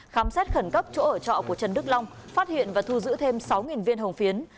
khám xét khẩn cấp chỗ ở trọ của trần đức long phát hiện và thu giữ thêm sáu viên hồng phiến